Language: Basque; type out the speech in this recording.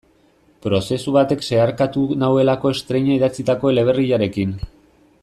Prozesu batek zeharkatu nauelako estreina idatzitako eleberriarekin.